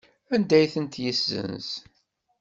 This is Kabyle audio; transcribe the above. Anda ay ten-yessenz?